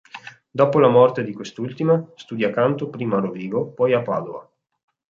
Dopo la morte di quest'ultima, studia canto prima a Rovigo, poi a Padova.